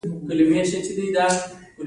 هغو پانګوالو چې پیسې سپارلې وي زیان کوي